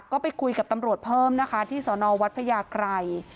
ก็ไปคุยกับตำรวจเพิ่มนะคะที่สนวัดพระยากรัย